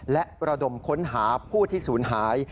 และระดมค้นหาผู้ที่ศูนย์หาย